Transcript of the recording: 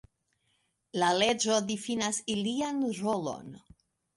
La leĝo difinas ilian rolon.